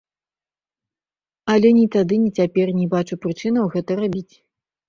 Але ні тады, ні цяпер не бачу прычынаў гэта рабіць.